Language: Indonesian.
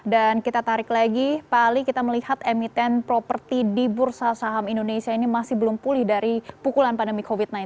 dan kita tarik lagi pak ali kita melihat emiten properti di bursa saham indonesia ini masih belum pulih dari pukulan pandemi covid sembilan belas